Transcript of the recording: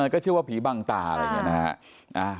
ก็เชื่อว่าผีบังตาอะไรอย่างนี้นะฮะ